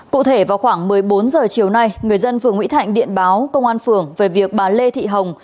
cụ thể vào khoảng một mươi bốn h chiều nay người dân phường mỹ thạnh điện báo công an phường về việc bà lê thị hồng